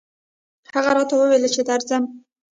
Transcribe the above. هغه راته وويل چې درځم